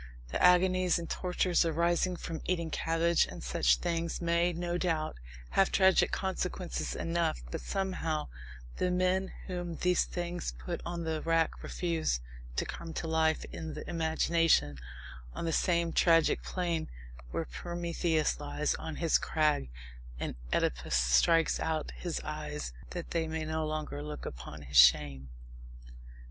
The agonies and tortures arising from eating cabbage and such things may, no doubt, have tragic consequences enough, but somehow the men whom these things put on the rack refuse to come to life in the imagination on the same tragic plane where Prometheus lies on his crag and Oedipus strikes out his eyes that they may no longer look upon his shame.